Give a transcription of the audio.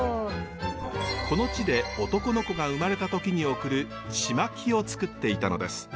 この地で男の子が生まれた時に贈るちまきをつくっていたのです。